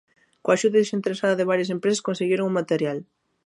Coa axuda desinteresada de varias empresas conseguiron o material.